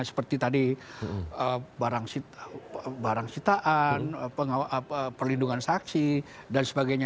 seperti tadi barang sitaan perlindungan saksi dan sebagainya